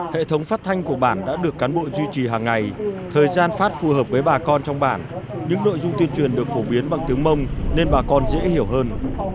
hệ thống phát thanh của bản đã được cán bộ duy trì hàng ngày thời gian phát phù hợp với bà con trong bản những nội dung tuyên truyền được phổ biến bằng tiếng mông nên bà con dễ hiểu hơn